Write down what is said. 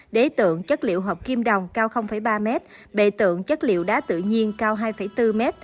đế tượng chất liệu hộp kim đồng cao ba m bệ tượng chất liệu đá tự nhiên cao hai bốn m